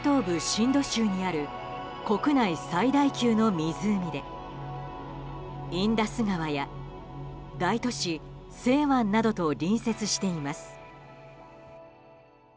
シンド州にある国内最大級の湖でインダス川や大都市セーワンなどと隣接しています。